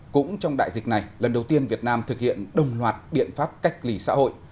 cũng trong đại dịch này lần đầu tiên việt nam thực hiện đồng loạt biện pháp cách ly xã hội